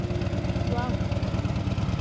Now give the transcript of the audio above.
Mi to agu.